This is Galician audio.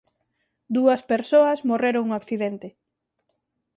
Dúas persoas morreron no accidente.